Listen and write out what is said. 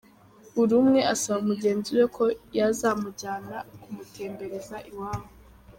Buri umwe asaba mugenzi we ko yazamujyana kumutembereza iwabo.